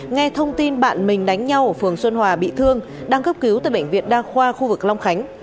nghe thông tin bạn mình đánh nhau ở phường xuân hòa bị thương đang cấp cứu tại bệnh viện đa khoa khu vực long khánh